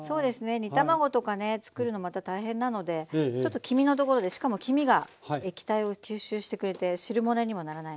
煮卵とかねつくるのまた大変なのでちょっと黄身のところでしかも黄身が液体を吸収してくれて汁物にもならないのでいいと思います。